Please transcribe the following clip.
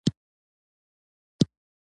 د نورو ولسوالیو په پرتله پراخه ده